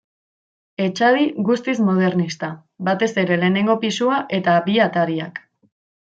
Etxadi guztiz modernista, batez ere lehenengo pisua eta bi atariak.